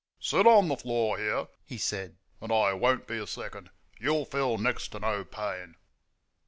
"Sit on the floor here," he said, "and I won't be a second. You'll feel next to no pain."